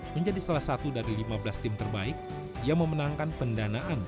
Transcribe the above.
menjadi salah satu dari lima belas tim terbaik yang memenangkan pendanaan